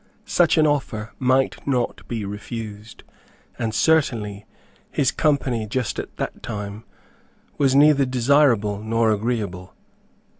Such an offer might not be refused, and, certainly, his company, just at that time, was neither desirable nor agreeable.